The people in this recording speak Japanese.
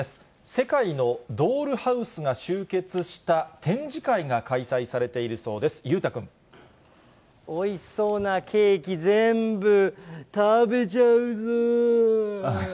世界のドールハウスが集結した、展示会が開催されているそうです、おいしそうなケーキ、全部食べちゃうぞー。